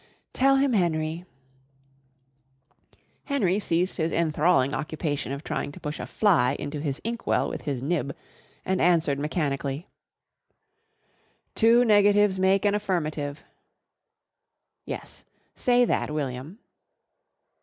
"Tell him, Henry." Henry ceased his enthralling occupation of trying to push a fly into his ink well with his nib and answered mechanically: "Two negatives make an affirmative." "Yes. Say that, William."